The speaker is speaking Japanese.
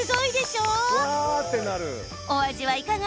お味は、いかが？